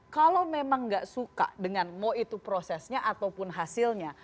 kalau memang nggak suka dengan mau itu prosesnya ataupun hasilnya